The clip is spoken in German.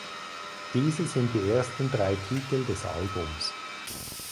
Diese sind die ersten drei Titel des Albums.